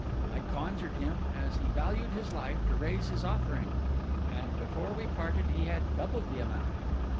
I conjured him, as he valued life, to raise his offering; and, before we parted, he had doubled the amount.